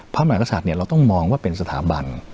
ภาพมหาศาสตร์เนี่ยเราต้องมองว่าเป็นสถาบัน